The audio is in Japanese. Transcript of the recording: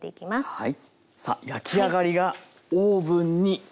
はい。